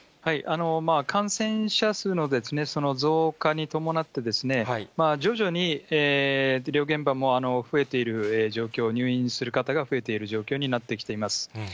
感染者数の増加に伴って、徐々に医療現場も増えている状況、入院する方が増えている状況になってきています。